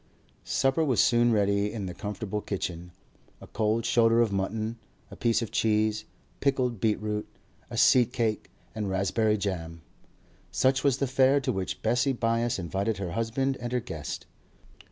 Supper was soon ready in the comfortable kitchen. A cold shoulder of mutton, a piece of cheese, pickled beetroot, a seed cake, and raspberry jam; such was the fare to which Bessie Byass invited her husband and her guest.